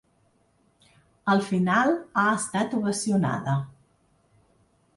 Al final, ha estat ovacionada.